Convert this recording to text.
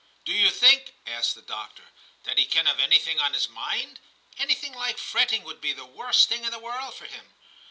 * Do you think,' asked the doctor, 'that he can have anything on his mind ? Anything like fretting would be the worst thing in the world for him.